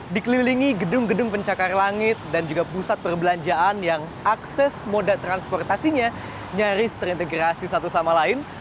dikelilingi gedung gedung pencakar langit dan juga pusat perbelanjaan yang akses moda transportasinya nyaris terintegrasi satu sama lain